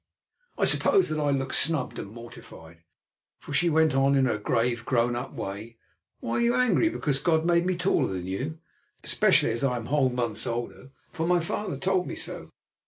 I suppose that I looked snubbed and mortified, for she went on in her grave, grown up way: "Why are you angry because God made me taller than you? especially as I am whole months older, for my father told me so.